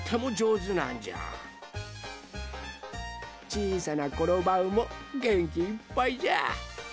ちいさなコロバウもげんきいっぱいじゃ。